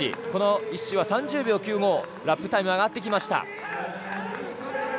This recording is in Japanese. １周は３０秒９５、ラップタイムが上がってきました。